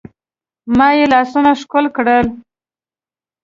ما يې لاسونه ښکل کړل.